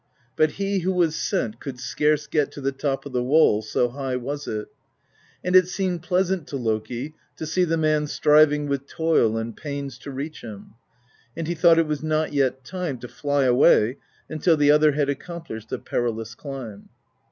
But he who was sent could scarce get to the top of the wall, so high was it; and it seemed pleasant to Loki to see the man striving with toil and pains to reach him, and he thought it was not yet time to fly away until the other had accomplished the perilous climb.